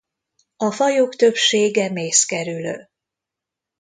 A fajok többsége mészkerülő.